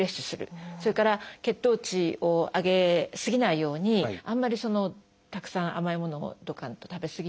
それから血糖値を上げ過ぎないようにあんまりたくさん甘いものとか食べ過ぎない。